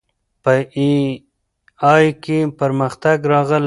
په اې ای کې پرمختګ راغلی.